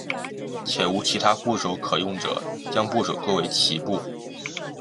且无其他部首可用者将部首归为齐部。